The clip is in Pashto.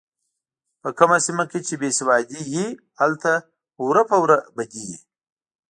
په کومه سیمه کې چې بې سوادي وي هلته وره په وره بدي وي.